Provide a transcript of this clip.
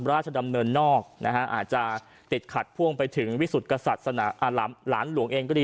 ราชดำเนินนอกอาจจะติดขัดพ่วงไปถึงวิสุทธิ์หลานหลวงเองก็ดี